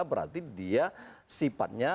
berarti dia sifatnya